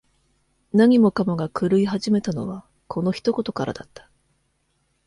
何もかもが狂い始めたのは、この一言からだった。